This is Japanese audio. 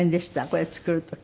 これ作る時。